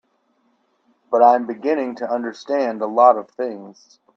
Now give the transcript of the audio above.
But I'm beginning to understand a lot of things.